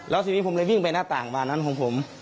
แล้วทีนี้ผมเลยวิ่งไปหน้าต่างบานนั้นของผม